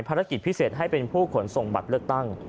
ภารกิจพิเศษให้เป็นผู้ขนส่งบัตรเลือกตั้ง